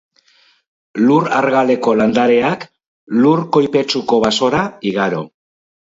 Lur argaleko landareak lur koipetsuko basora igaro.